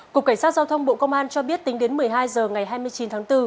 cục cảnh sát giao thông bộ công an cho biết tính đến một mươi hai h ngày hai mươi chín tháng bốn